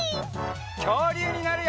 きょうりゅうになるよ！